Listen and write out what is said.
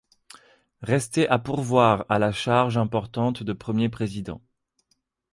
Restait à pourvoir à la charge importante de premier président.